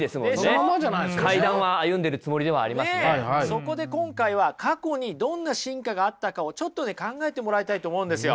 そこで今回は過去にどんな進化があったかをちょっとね考えてもらいたいと思うんですよ。